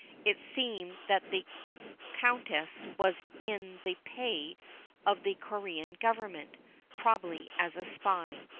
It seemed that the Countess was in the pay of the Corean Government, probably as a spy.